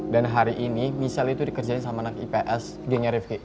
dan hari ini michelle itu dikerjain sama anak ips gengnya rifqi